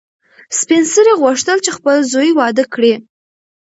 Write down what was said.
سپین سرې غوښتل چې خپل زوی واده کړي.